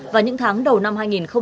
và những tháng đầu năm hai nghìn hai mươi